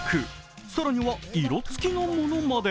更には色つきのものまで。